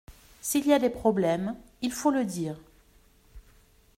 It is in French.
S’il y a des problèmes il faut le dire.